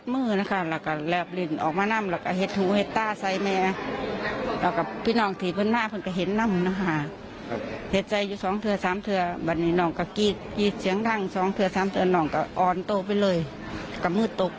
มืดตกไปเลยอย่างนี้นะครับ